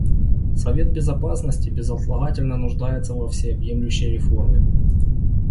Совет Безопасности безотлагательно нуждается во всеобъемлющей реформе.